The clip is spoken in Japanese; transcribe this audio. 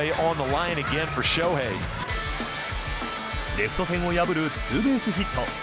レフト線を破るツーベースヒット。